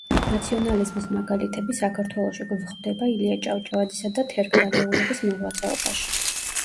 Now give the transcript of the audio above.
ნაციონალიზმის მაგალითები საქართველოში გვხვდება ილია ჭავჭავაძისა და თერგდალეულების მოღვაწეობაში.